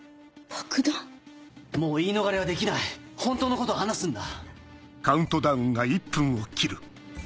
もう言い逃れはできない本当のことを話すんだ。